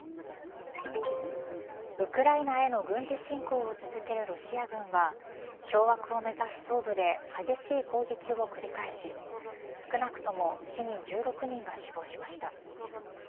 ウクライナへの軍事侵攻を続けるロシア軍は掌握を目指す東部で激しい攻撃を繰り返し少なくとも市民１６人が死亡しました。